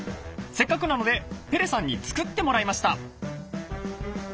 せっかくなのでペレさんに作ってもらいました。